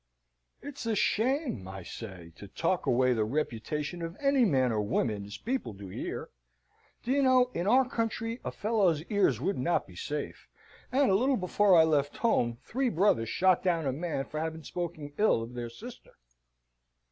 "It's a shame, I say, to talk away the reputation of any man or woman as people do here. Do you know, in our country, a fellow's ears would not be safe; and a little before I left home, three brothers shot down a man, for having spoken ill of their sister."